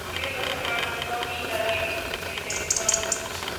Tiene dos hermanos, Tom y David Mendelsohn.